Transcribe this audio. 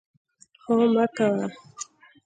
خو مه کوه!